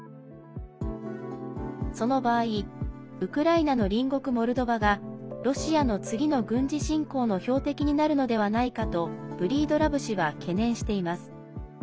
その場合ウクライナの隣国モルドバがロシアの次の軍事侵攻の標的になるのではないかとブリードラブ氏は懸念しています。